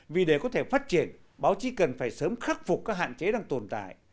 vì để có thể phát triển báo chí cần phải sớm khắc phục các hạn chế đang tồn tại